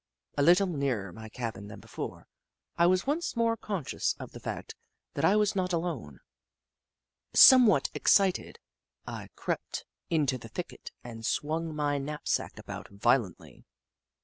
A little nearer my cabin than before, I was once more conscious of the fact that I was not alone. Somewhat excited, I crept into 32 The Book of Clever Beasts the thicket and swung my knapsack about violently.